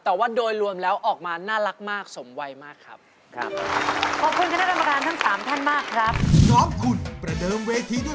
แต่ว่าโดยรวมแล้วออกมาน่ารักมากสมวัยมากครับ